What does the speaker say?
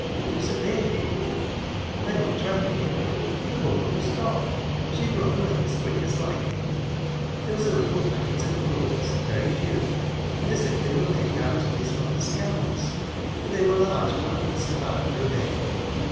It was a baby. I looked round again ; but the woman was gone. She had run away as quick as lightning. There was a little packet of clothes — very few — and as if they were made out of its mother's gowns, for they were large patterns to buy for a baby.